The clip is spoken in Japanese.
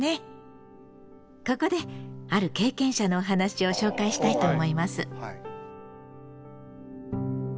ここである経験者のお話を紹介したいと思います。